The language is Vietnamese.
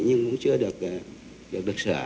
nhưng cũng chưa được sửa